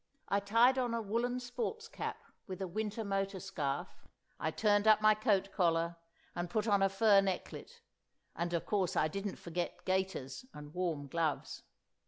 I tied on a woollen sports cap with a winter motor scarf; I turned up my coat collar, and put on a fur necklet; and, of course, I didn't forget gaiters and warm gloves.